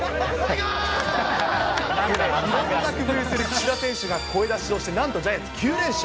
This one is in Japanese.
いろんな声出しをする岸田選手が声出しをしてなんとジャイアンツ、９連勝。